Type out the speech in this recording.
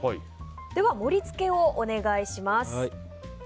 では、盛り付けをお願いします。